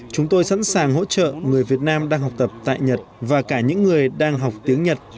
chúng tôi sẵn sàng hỗ trợ người việt nam đang học tập tại nhật và cả những người đang học tiếng nhật